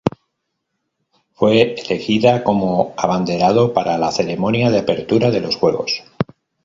Fue elegida como abanderada para la Ceremonia de Apertura de los Juegos.